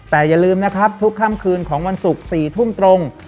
แต่อย่าลืมนะครับทุกค่ำคืนของวันศุกร์๔ทุ่มตรง